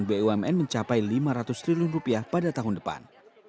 bumn mencapai lima ratus triliun rupiah pada tahun depan